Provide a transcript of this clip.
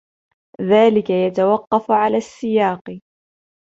ذلك يتوقف على السياق.